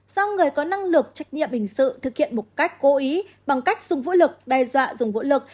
do người có năng lực trách nhiệm hình sự thực hiện một cách cố ý bằng cách dùng vũ lực đe dọa dùng vũ lực